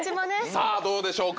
さぁどうでしょうか？